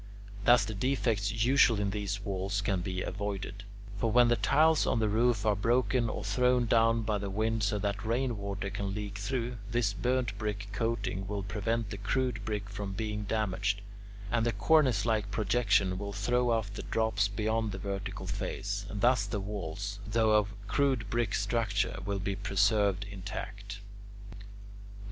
Thus the defects usual in these walls can be avoided. For when the tiles on the roof are broken or thrown down by the wind so that rainwater can leak through, this burnt brick coating will prevent the crude brick from being damaged, and the cornice like projection will throw off the drops beyond the vertical face, and thus the walls, though of crude brick structure, will be preserved intact. 19.